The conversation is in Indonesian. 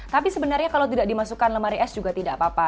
tapi sebenarnya kalau tidak dimasukkan lemari es juga tidak apa apa